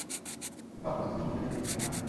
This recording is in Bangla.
এই পাগল, তুমিই বুদ্ধিটা দিয়েছিলে, না?